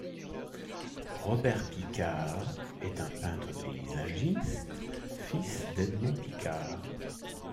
Robert Picard est un peintre paysagiste, fils d'Edmond Picard.